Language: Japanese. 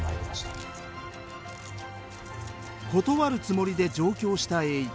断るつもりで上京した栄一。